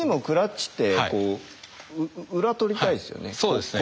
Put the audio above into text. そうですね。